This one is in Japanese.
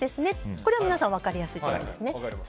これは皆さん分かりやすいと思います。